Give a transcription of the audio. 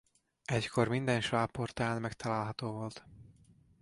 Egykor minden sváb portán megtalálható volt.